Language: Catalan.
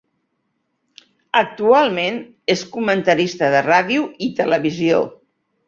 Actualment, és comentarista de ràdio i televisió.